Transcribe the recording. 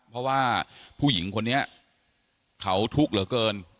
เพราะว่าผู้หญิงคนนี้เขาทุกข์เหลือเกิน